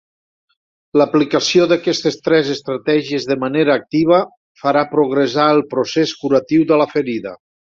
L'aplicació d'aquestes tres estratègies de manera activa farà progressar el procés curatiu de la ferida.